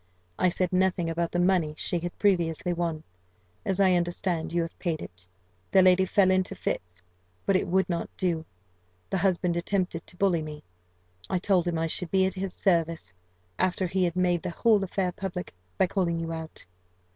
I said nothing about the money she had previously won, as I understand you have paid it. "The lady fell into fits, but it would not do. The husband attempted to bully me; I told him I should be at his service, after he had made the whole affair public, by calling you out.